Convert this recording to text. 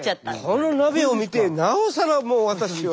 この鍋を見てなおさらもう私は。